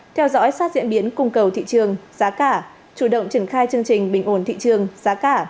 theo dõi sát diễn biến cung cầu thị trường giá cả chủ động triển khai chương trình bình ổn thị trường giá cả